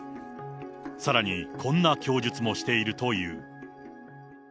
さらにこんな供述もしているという。